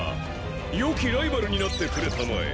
よきライバルになってくれたまえ。